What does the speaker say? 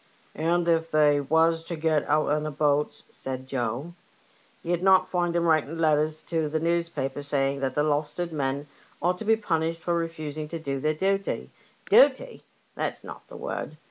*' And if they was to go out in the boats," said Joe, ^'ye'd not find 'em writing letters to the newspapers saying that the Lowestoft men ought to be punished for refusing to do their duty. Duty ! that's not the word.